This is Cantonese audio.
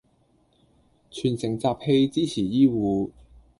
全城集氣支持醫護